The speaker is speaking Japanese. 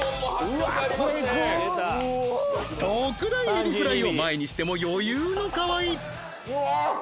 特大エビフライを前にしても余裕の河合うわっ